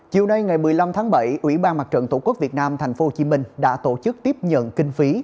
chiều nay ngày một mươi năm tháng bảy ủy ban mặt trận tổ quốc việt nam tp hcm đã tổ chức tiếp nhận kinh phí